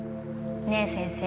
ねえ先生。